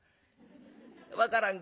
分からん